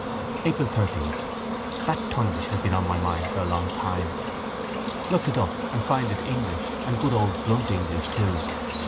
April 13. That tundish has been on my mind for a long time. I looked it up and find it English and good old blunt English too.